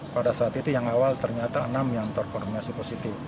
pada saat itu yang awal ternyata enam yang terkonfirmasi positif